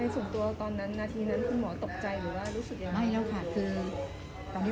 ในสมตัวตอนนั้นอาทินั้นคุณหมอตกใจหรือว่ารู้สึกยังไง